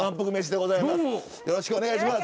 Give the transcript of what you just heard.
よろしくお願いします。